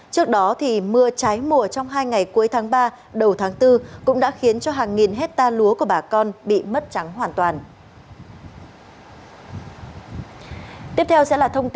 trước đó mưa trái mùa trong hai ngày cuối tháng ba đầu tháng bốn cũng đã khiến cho hàng nghìn hectare lúa của bà con bị mất trắng hoàn toàn